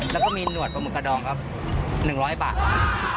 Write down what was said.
แล้วก็มีหนวดปลาหมึกกระดองครับ๑๐๐บาท